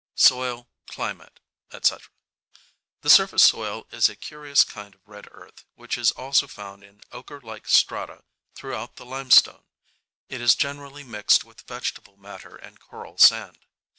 Soil, Climate, &c.—The surface soil is a curious kind of red earth, which is also found in ochre like strata throughout the limestone. It is generally mixed with vegetable matter and coral sand.